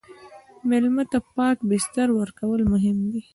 مېلمه ته پاک بستر ورکول مهم دي.